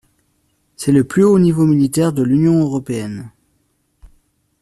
C'est le plus haut niveau militaire de l'Union européenne.